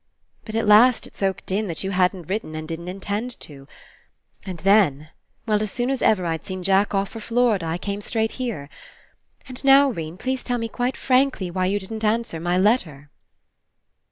But at last it soaked in, that you hadn't written and didn't Intend to. And then — well, as soon as ever I'd seen Jack off for Florida, I came straight here. And now, 'Rene, please tell me quite frankly why you didn't answer my letter."